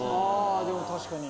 でも確かに。